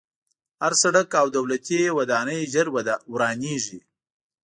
هر سړک او دولتي ودانۍ ژر ورانېږي.